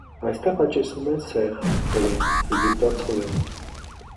Այստեղ աճեցնում են սեխ, բրինձ, եգիպտացորեն։